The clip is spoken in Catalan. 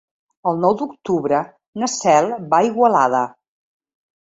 El nou d'octubre na Cel va a Igualada.